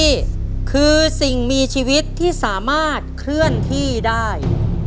นี่คือสิ่งมีชีวิตที่สามารถเคลื่อนที่ได้